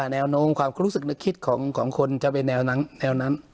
แนวโน้มความรู้สึกนึกคิดของคนจะเป็นแนวนั้น